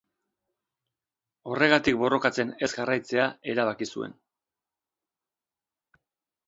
Horregatik borrokatzen ez jarraitzea erabaki zuen.